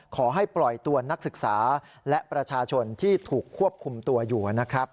ขอให้ปล่อยตัวนักศึกษาและประชาชนที่ถูกควบคุมตัวอยู่นะครับ